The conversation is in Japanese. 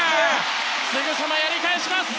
すぐさまやり返す！